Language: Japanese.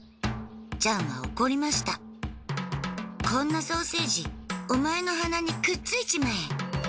ジャンは怒りましたこんなソーセージお前の鼻にくっついちまえ。